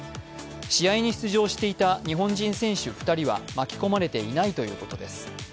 試合に出場していた日本人選手２人は巻き込まれていないということです。